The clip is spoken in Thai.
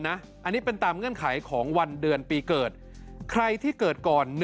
อันนี้เป็นตามเงื่อนไขของวันเดือนปีเกิดใครที่เกิดก่อน